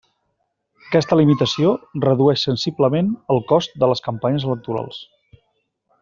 Aquesta limitació redueix sensiblement el cost de les campanyes electorals.